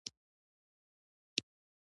غریب د غني نه ډېره دعا لري